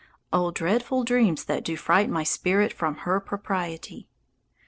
"Oh, dreadful dreams that do fright my spirit from her propriety!"